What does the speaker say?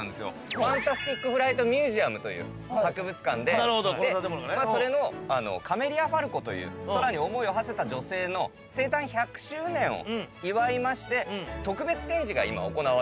ファンタスティック・フライト・ミュージアムという博物館でそれのカメリア・ファルコという空に思いをはせた女性の生誕１００周年を祝いまして特別展示が今行われてるんですよ。